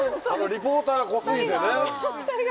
リポーターが濃過ぎてね。